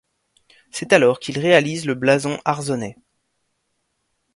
C'est alors qu'il réalise le blason arzonnais.